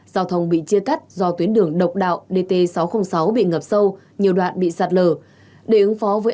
giao thông bị chia cắt do tuyến đường độc đạo dt sáu trăm linh sáu bị ngập sâu nhiều đoạn bị sạt lở để ứng phó với